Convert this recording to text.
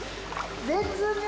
絶妙。